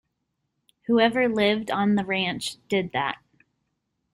Whoever lived on the ranch did that.